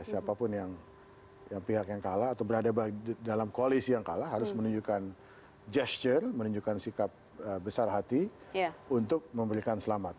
siapapun yang pihak yang kalah atau berada dalam koalisi yang kalah harus menunjukkan gesture menunjukkan sikap besar hati untuk memberikan selamat